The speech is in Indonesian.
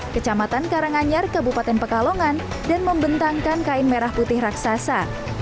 kecamatan karanganyar kabupaten pekalongan dan membentangkan kain merah putih raksasa